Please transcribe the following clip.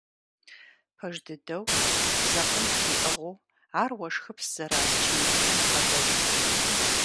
Пэж дыдэу, бдзэкъунтх иӀыгъыу ар уэшхыпс зэраз чей иным бгъэдэтт.